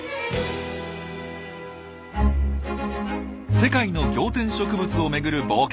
世界の仰天植物を巡る冒険。